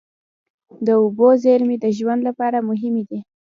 د اوبو زیرمې د ژوند لپاره مهمې دي.